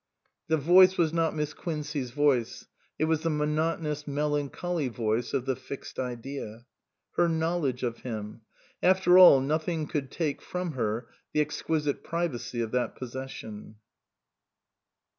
The voice was not Miss Quincey's voice ; it was the monotonous, melancholy voice of the Fixed Idea. Her knowledge of him. After all, nothing could take from her the exquisite privacy of that possession.